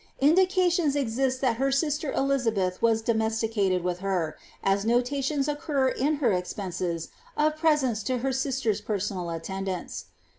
It* dieations exist that her sister Elliiabeth was domesticated with ber,«l notations occur in her expenses of presents to her SBteHi psiaolHi attendants.